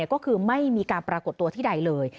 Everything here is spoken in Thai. ก็คือไม่มีการปรากฏตัวที่ใดเลย